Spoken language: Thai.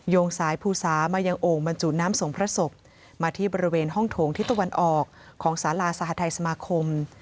งสายภูสามายังโอ่งบรรจุน้ำสงพระศพมาที่บริเวณห้องโถงที่ตะวันออกของสาราสหทัยสมาคม